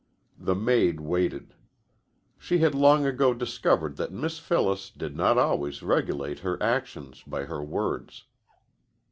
The maid waited. She had long ago discovered that Miss Phyllis did not always regulate her actions by her words.